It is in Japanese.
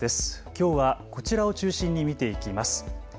きょうはこちらを中心に見ていきます。